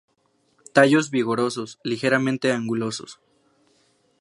Tallos vigorosos, ligeramente angulosos.